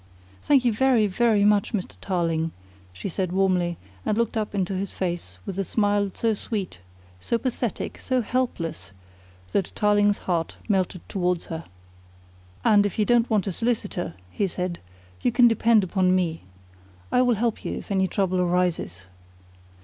"Thank you very, very much, Mr. Tarling," she said warmly, and looked up into his face with a smile so sweet, so pathetic, so helpless, that Tarling's heart melted towards her. "And if you don't want a solicitor," he said, "you can depend upon me. I will help you if any trouble arises."